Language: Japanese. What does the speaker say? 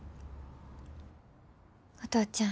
お父ちゃん。